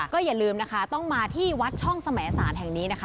ก็อย่าลืมนะคะต้องมาที่วัดช่องสมสารแห่งนี้นะคะ